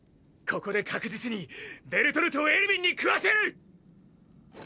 ここで確実にベルトルトをエルヴィンに食わせる！！